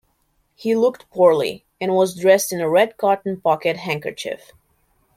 He looked poorly, and was dressed in a red cotton pocket-handkerchief.